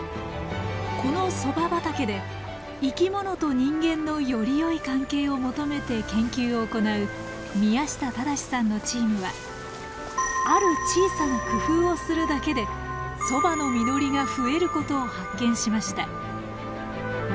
このソバ畑で生き物と人間のよりよい関係を求めて研究を行う宮下直さんのチームはある小さな工夫をするだけでソバの実りが増えることを発見しました。